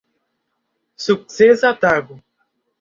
Sukcesa tago!